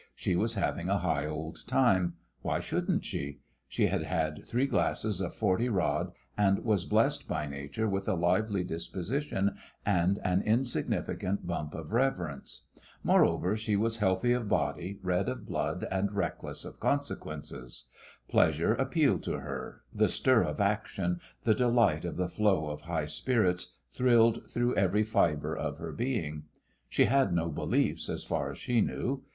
She was having a high old time; why shouldn't she? She had had three glasses of forty rod, and was blessed by nature with a lively disposition and an insignificant bump of reverence. Moreover, she was healthy of body, red of blood, and reckless of consequences. Pleasure appealed to her; the stir of action, the delight of the flow of high spirits, thrilled through every fibre of her being. She had no beliefs, as far as she knew.